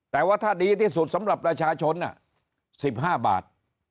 แต่ว่าถ้าดีที่สุดสำหรับประชาชน๑๕บาท